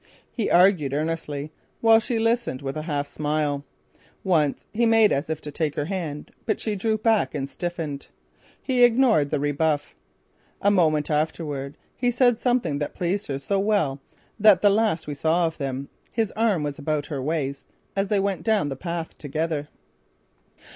He argued earnestly, while she listened with a half smile. Once, he made as if to take her hand but she drew back and stiffened. He ignored the rebuff. A moment afterward he said something that pleased her so well that the last we saw of them his arm was about her waist as they went down the path together.